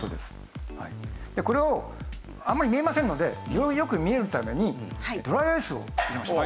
これをあんまり見えませんのでよりよく見えるためにドライアイスを入れましょう。